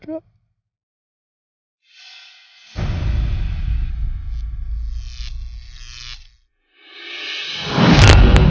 terlupa lah terlupa